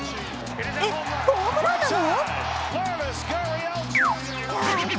えっ、ホームランなの？